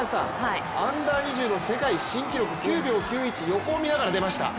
アンダー２０の世界新記録、９秒９１横を見ながら出ました。